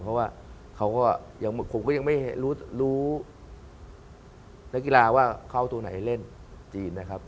เพราะว่าเขาก็ยังผมก็ยังไม่รู้นักกีฬาว่าเข้าตัวไหนเล่นจีนนะครับ